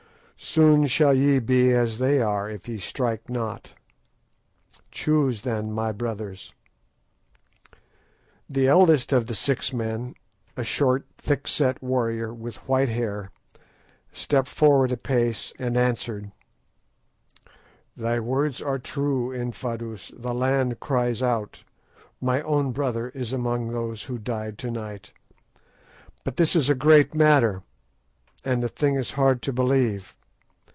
Soon shall ye be as they are if ye strike not. Choose then, my brothers." The eldest of the six men, a short, thick set warrior, with white hair, stepped forward a pace and answered— "Thy words are true, Infadoos; the land cries out. My own brother is among those who died to night; but this is a great matter, and the thing is hard to believe.